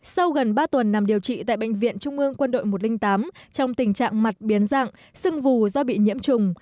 sau gần ba tuần nằm điều trị tại bệnh viện trung ương quân đội một trăm linh tám trong tình trạng mặt biến dạng xưng vù do bị nhiễm trùng